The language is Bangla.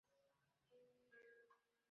তুমি মজা নিচ্ছ?